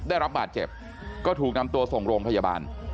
ได้รับบาดเจ็บก็ถูกนำตัวส่งโรงพยาบาล